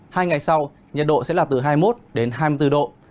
hai ngày sau nhiệt độ sẽ là từ hai mươi một đến hai mươi bốn độ